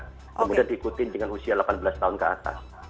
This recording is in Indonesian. kemudian diikuti dengan usia delapan belas tahun ke atas